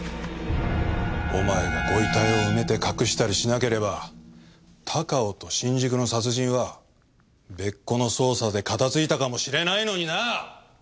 お前がご遺体を埋めて隠したりしなければ高尾と新宿の殺人は別個の捜査で片付いたかもしれないのになあ！